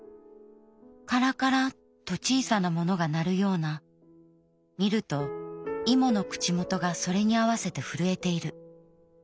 カラカラと小さなものが鳴るような見るとイモの口元がそれに合わせて震えている。